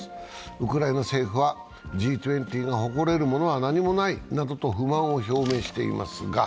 ウクライナ政府は、Ｇ２０が誇れるものは何もないなどと不満を表明していますが。